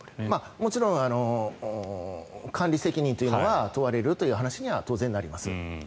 もちろん管理責任というのは問われるという話には当然なります。